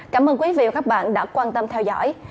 cảm ơn quý vị và các bạn đã quan tâm theo dõi